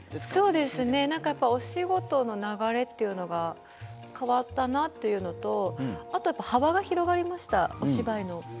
そうですね、やっぱりお仕事の流れというのは変わったなというのと幅が広がりました、お芝居の。